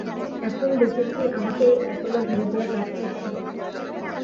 এখন দেখছি, আমাকে একলা ধীরে ধীরে কাজ করতে হবে।